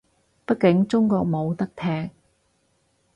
畢竟中國冇得踢